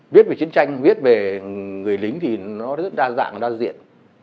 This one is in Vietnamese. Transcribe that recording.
viết về chiến tranh viết về người lính thì nó rất đa dạng đa diện